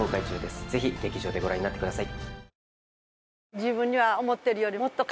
ぜひ劇場でご覧になってください。